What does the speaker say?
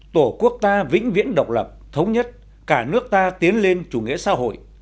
tổ quốc ta vĩnh viễn độc lập thống nhất cả nước ta tiến lên chủ nghĩa xã hội